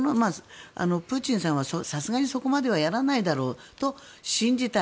プーチンさんは、さすがにそこまではやらないだろうと信じたい。